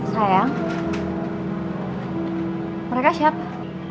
sayang mereka siapa